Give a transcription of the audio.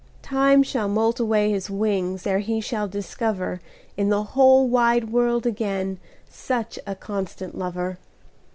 Time shall moult away his wingsEre he shall discoverIn the whole wide world againSuch a constant lover.